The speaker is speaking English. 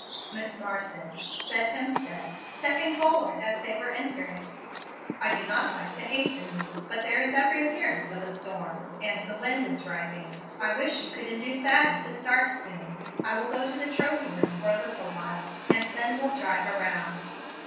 "Miss Marsden," said Hemstead, stepping forward as they were entering, "I do not like to hasten you, but there is every appearance of a storm, and the wind is rising. I wish you could induce Addie to start soon. I will go to the Trophy room for a little while, and then will drive around."